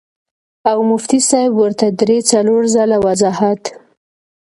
او مفتي صېب ورته درې څلور ځله وضاحت